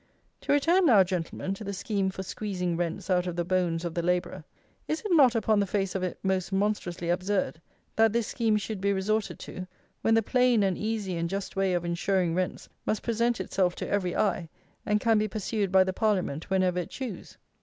To return, now, Gentlemen, to the scheme for squeezing rents out of the bones of the labourer, is it not, upon the face of it, most monstrously absurd, that this scheme should be resorted to, when the plain and easy and just way of insuring rents must present itself to every eye, and can be pursued by the Parliament whenever it choose?